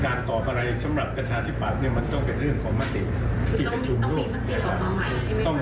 ตอบอะไรสำหรับประชาธิปัตย์เนี่ยมันต้องเป็นเรื่องของมติที่ประชุมร่วม